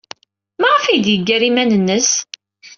Maɣef ay d-yeggar iman-nnes?